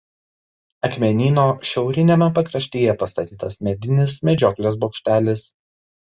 Akmenyno šiauriniame pakraštyje pastatytas medinis medžioklės bokštelis.